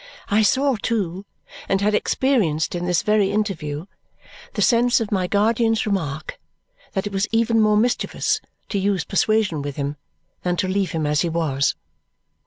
I saw too, and had experienced in this very interview, the sense of my guardian's remark that it was even more mischievous to use persuasion with him than to leave him as he was.